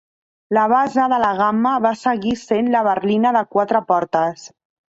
La base de la gamma va seguir sent la berlina de quatre portes.